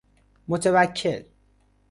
متوکل